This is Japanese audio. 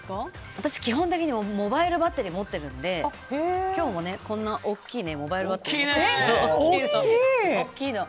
私は基本的にモバイルバッテリー持ってるので今日もこんな大きいモバイルバッテリーを。